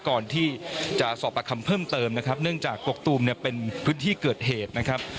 ก่อนที่จะสอบประคำเพิ่มเติมนะครับเนื่องจากกกตูมเนี่ยเป็นพื้นที่เกิดเหตุนะครับ